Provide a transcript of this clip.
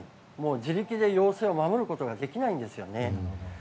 自力で要請を守ることができないんですよね。